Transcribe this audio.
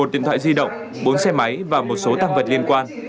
một mươi một điện thoại di động bốn xe máy và một số tăng vật liên quan